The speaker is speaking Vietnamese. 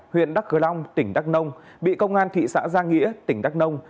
huyện đắk cờ long tỉnh đắk nông bị công an thị xã giang nghĩa tỉnh đắk nông